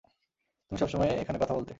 তুমি সবসময়ই এখানে কথা বলতে।